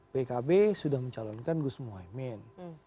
pkb sudah mencalonkan gus muhaymin